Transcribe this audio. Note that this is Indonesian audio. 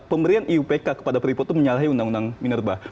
pemberian iupk kepada freeport itu menyalahi undang undang minerba